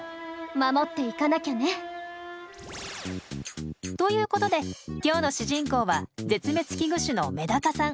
守っていかなきゃね。ということで今日の主人公は絶滅危惧種のメダカさん。